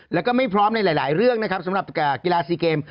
แล้วก็ไม่พร้อมในหลายเรื่องนะครับสำหรับกีฬาซีเกม